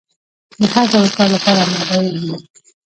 د هر ډول کار لپاره اماده وي.